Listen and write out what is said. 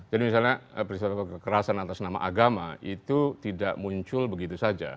jadi misalnya peristiwa kekerasan atas nama agama itu tidak muncul begitu saja